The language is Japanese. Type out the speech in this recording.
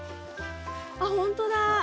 あっほんとだ。